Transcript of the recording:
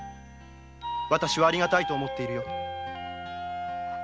私は有り難いと思っているよ。